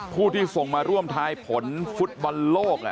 ผู้ที่ส่งมาร่วมทายผลฟุตบอลโลก